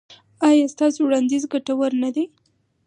ایا ستاسو وړاندیز ګټور نه دی؟